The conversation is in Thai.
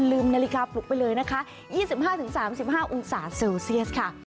ลืมนาฬิกาปลุกไปเลยนะคะ๒๕๓๕องศาเซลเซียสค่ะ